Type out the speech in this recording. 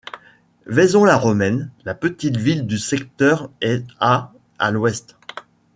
Vaison-la-Romaine, la petite ville du secteur, est à à l'ouest.